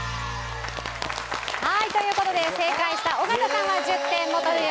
はいという事で正解した尾形さんは１０点モト